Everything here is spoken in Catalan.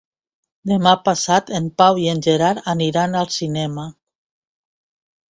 Demà passat en Pau i en Gerard aniran al cinema.